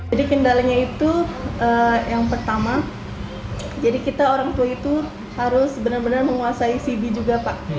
jadi kendalanya itu yang pertama jadi kita orang tua itu harus benar benar menguasai cv juga pak